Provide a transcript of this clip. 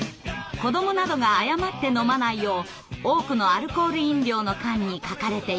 子どもなどが誤って飲まないよう多くのアルコール飲料の缶に書かれています。